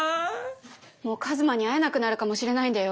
もう一馬に会えなくなるかもしれないんだよ。